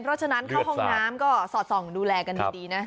เพราะฉะนั้นเข้าห้องน้ำก็สอดส่องดูแลกันดีนะ